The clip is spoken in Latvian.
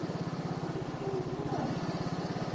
Es slīdu nost!